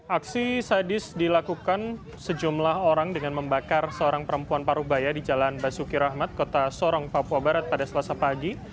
aksi sadis dilakukan sejumlah orang dengan membakar seorang perempuan paruh baya di jalan basuki rahmat kota sorong papua barat pada selasa pagi